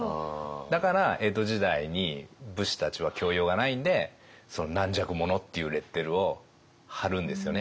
だから江戸時代に武士たちは教養がないんで軟弱者っていうレッテルを貼るんですよね。